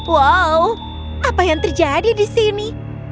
wow apa yang terjadi di sini